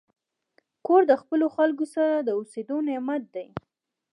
کور د خپلو خلکو سره د اوسېدو نعمت دی.